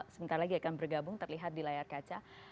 sebentar lagi akan bergabung terlihat di layar kaca